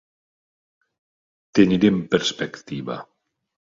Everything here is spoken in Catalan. Tenir en perspectiva.